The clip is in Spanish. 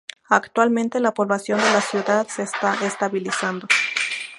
Actualmente, la población de la ciudad se está estabilizando.